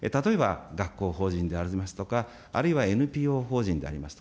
例えば学校法人でありますとか、あるいはＮＰＯ法人であります。